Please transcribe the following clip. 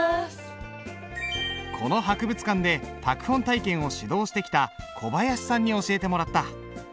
この博物館で拓本体験を指導してきた小林さんに教えてもらった。